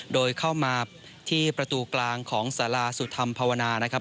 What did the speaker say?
โดยเข้ามาที่ประตูกลางของสาราสุธรรมภาวนานะครับ